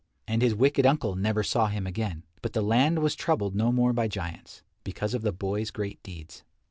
And his wicked uncle never saw him again. But the land was troubled no more by giants, because of the boy's great deeds.